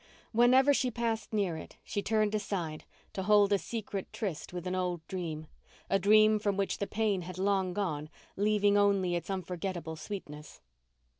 Whenever she passed near it she turned aside to hold a secret tryst with an old dream—a dream from which the pain had long gone, leaving only its unforgettable sweetness.